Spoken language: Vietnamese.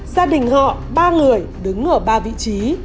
gia đình họ ba người đứng ở ba vị trí